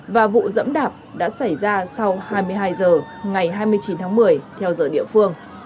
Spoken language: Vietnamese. và vụ dẫm đạp đã xảy ra sau hai mươi hai h ngày hai mươi chín tháng một mươi theo giờ địa phương